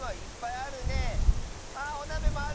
あおなべもある！